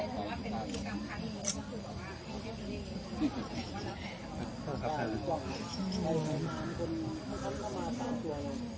ขอบคุณครับครับ